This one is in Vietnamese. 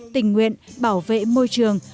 tình nguyện bảo vệ môi trường